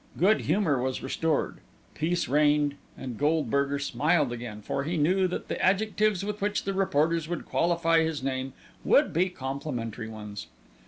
Good humour was restored; peace reigned; and Goldberger smiled again, for he knew that the adjectives with which the reporters would qualify his name would be complimentary ones!